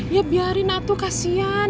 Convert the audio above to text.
ya biarin atu kasian